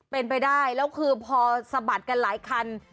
เป็นไปได้แล้วคือพอสะบัดกันหลายคัน